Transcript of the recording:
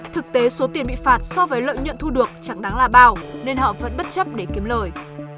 thực tế số tiền bị phạt so với lợi nhuận thu được chẳng đáng là bao nên họ vẫn bất chấp để kiếm lời